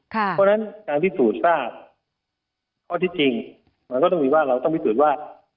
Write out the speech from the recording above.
เพราะฉะนั้นการพิสูจน์ทราบข้อที่จริงมันก็ต้องมีว่าเราต้องพิสูจน์ว่า